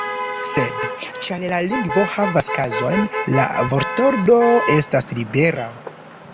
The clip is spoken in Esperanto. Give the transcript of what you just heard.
Sed, ĉar la lingvo havas kazojn, la vortordo estas libera.